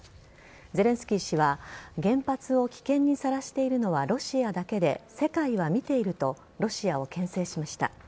ゼレンスキー氏は原発を危険にさらしているのはロシアだけで世界は見ているとロシアをけん制しました。